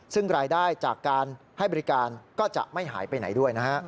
ซึ่งรายได้จากการให้บริการก็จะไม่หายไปไหนด้วยนะฮะ